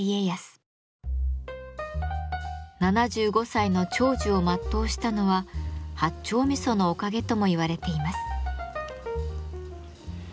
７５歳の長寿を全うしたのは八丁味噌のおかげとも言われています。